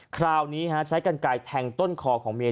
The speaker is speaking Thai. คราวนี้ใช้กันไกลแทงต้นคอของเมีย